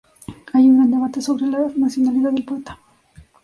Hay un gran debate sobre la nacionalidad del poeta.